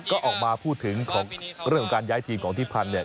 ก็ออกมาพูดถึงของเรื่องของการย้ายทีมของทิพันธ์เนี่ย